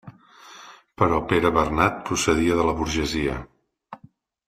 Però Pere Bernat procedia de la burgesia.